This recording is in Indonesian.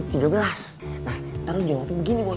ntar lo jalanin begini boy